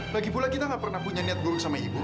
lagipula kita gak pernah punya niat gurung sama ibu kok